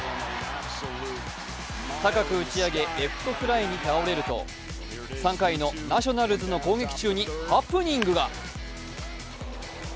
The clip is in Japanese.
高く打ち上げレフトフライに倒れると３回のナショナルズの攻撃中にハプニングが。